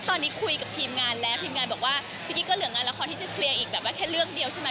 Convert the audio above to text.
ตอนนี้คุยกับทีมงานแล้วทีมงานบอกว่าพี่กิ๊กก็เหลืองานละครที่จะเคลียร์อีกแบบว่าแค่เรื่องเดียวใช่ไหม